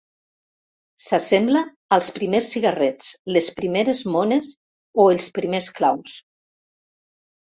S'assembla als primers cigarrets, les primeres mones o els primers claus.